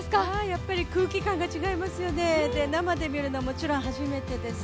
やっぱり空気感が違いますよね、生で見るのももちろん初めてです。